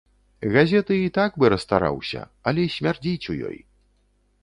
Газеты і так бы расстараўся, але смярдзіць у ёй.